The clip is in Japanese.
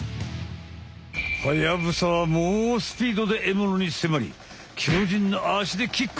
ハヤブサはもうスピードでエモノにせまりきょうじんなあしでキック！